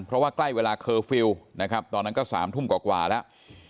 เพราะว่าใกล้เวลาเคอร์ฟิลล์นะครับตอนนั้นก็๓ทุ่มกว่าแล้ว